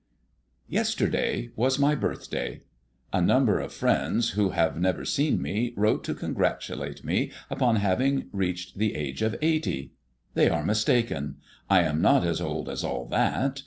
Yesterday was my birthday. A number of friends who have never seen me wrote to congratulate me upon having reached the age of eighty. They are mistaken; I am not as old as all that.